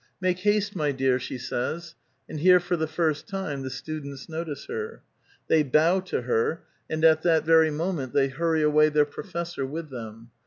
^^ Make haste, my dear," she says ; and here for the first time the students notice her. They bow to her, and at that very moment they hurry away their professor with them.